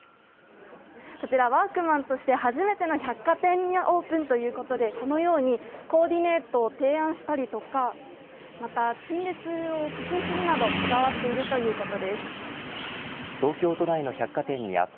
こちらワークマンとして初めての百貨店にオープンということでこのようにコーディネートを提案したりとかまた陳列を工夫するなどこだわっているということです。